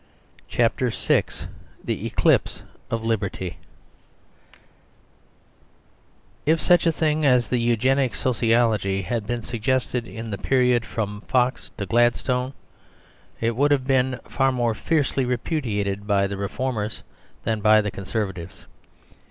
CHAPTER VI THE ECLIPSE OF LIBERTY If such a thing as the Eugenic sociology had been suggested in the period from Fox to Gladstone, it would have been far more fiercely repudiated by the reformers than by the Conservatives.